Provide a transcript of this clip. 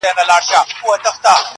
زما دردونه د دردونو ښوونځی غواړي~